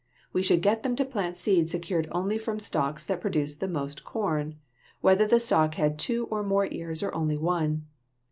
We should get them to plant seed secured only from stalks that produced the most corn, whether the stalk had two or more ears or only one.